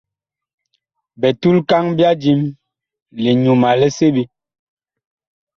Bitulkaŋ ɓya dim; liŋyuma li seɓe.